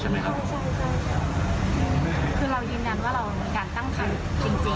ใช่คือเรายืนยันว่าเราการตั้งคัน